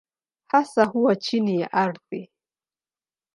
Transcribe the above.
Hasa huwa chini ya ardhi.